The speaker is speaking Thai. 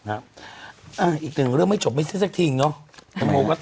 อ่าอีกหนึ่งเรื่องไม่ชบไม่เจอจักทีง่นอ่ะสามารถเนี้ย